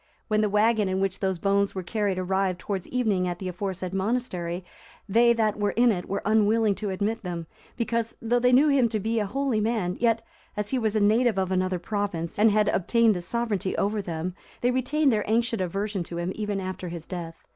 When the wagon in which those bones were carried arrived towards evening at the aforesaid monastery, they that were in it were unwilling to admit them, because, though they knew him to be a holy man, yet, as he was a native of another province, and had obtained the sovereignty over them, they retained their ancient aversion to him even after his death.